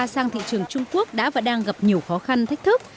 sang thị trường trung quốc đã và đang gặp nhiều khó khăn thách thức